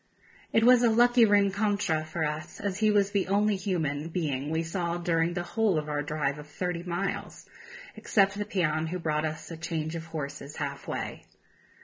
It was a lucky rencontre for us, as he was the only human being we saw during the whole of our drive of thirty miles, except the peon who brought us a change of horses half way.